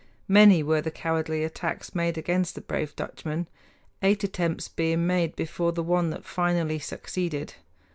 Many were the cowardly attacks made against the brave Dutchman, eight attempts being made before the one that finally succeeded.